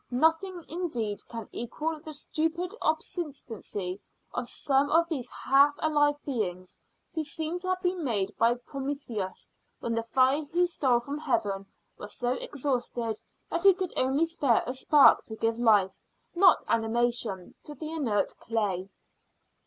Nothing, indeed, can equal the stupid obstinacy of some of these half alive beings, who seem to have been made by Prometheus when the fire he stole from Heaven was so exhausted that he could only spare a spark to give life, not animation, to the inert clay.